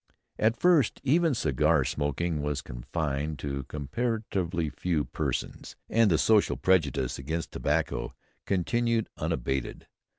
At first even cigar smoking was confined to comparatively few persons, and the social prejudice against tobacco continued unabated.